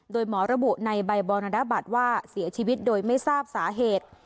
โดยหมอระบุในใบบรรณบัตรว่าเสียชีวิตโดยไม่ทราบสาเหตุ